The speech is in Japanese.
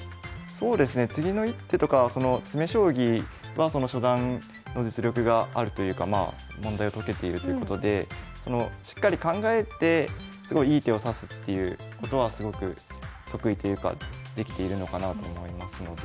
そうですね次の一手とか詰将棋は初段の実力があるというか問題を解けているということでしっかり考えてすごいいい手を指すっていうことはすごく得意というかできているのかなあと思いますので。